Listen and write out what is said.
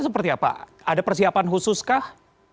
seperti apa ada persiapan khusus kah